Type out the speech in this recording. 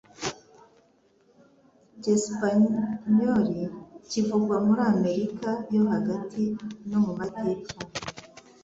Icyesipanyoli kivugwa muri Amerika yo Hagati no mu majyepfo